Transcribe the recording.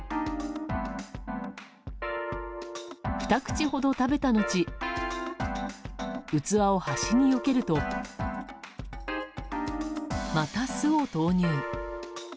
ふた口ほど食べた後器を端によけると、また酢を投入。